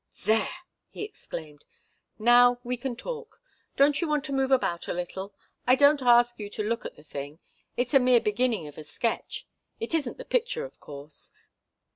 "There!" he exclaimed. "Now we can talk. Don't you want to move about a little? I don't ask you to look at the thing it's a mere beginning of a sketch it isn't the picture, of course."